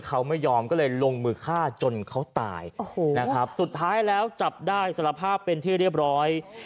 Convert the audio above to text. เขาไม่ยอมก็เลยลงมือฆ่าจนเขาตายโอ้โหนะครับสุดท้ายแล้วจับได้สารภาพเป็นที่เรียบร้อย